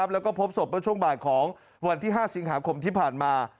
แล้วก็พบศพเมื่อช่วงบ่ายของวันที่๕สิงหาคมที่ผ่านมา